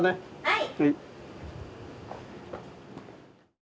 はい。